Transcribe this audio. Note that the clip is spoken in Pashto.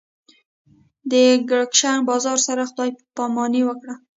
د ګرشک بازار سره خدای پاماني وکړه.